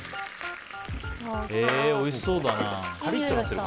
おいしそうだな。